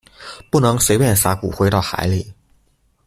不能隨便灑骨灰到海裡